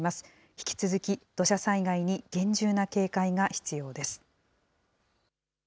引き続き、土砂災害に厳重な警戒が必要です。